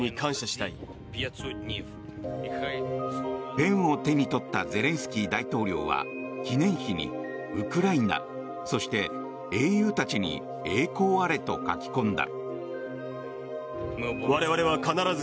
ペンを手に取ったゼレンスキー大統領は記念碑にウクライナ、そして英雄たちに栄光あれと書き込んだ。